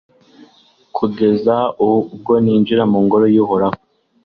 kugeza ubwo ninjira mu ngoro y'uhoraho